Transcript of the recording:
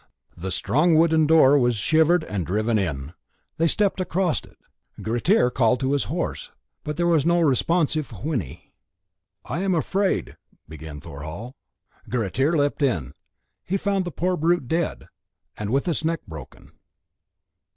The strong wooden door was shivered and driven in. They stepped across it; Grettir called to his horse, but there was no responsive whinny. "I am afraid " began Thorhall. Grettir leaped in, and found the poor brute dead, and with its neck broken.